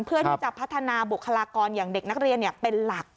เพื่อที่จะพัฒนาบุคลากรอย่างเด็กนักเรียนเป็นหลัก